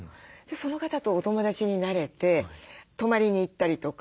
その方とお友だちになれて泊まりに行ったりとかあと。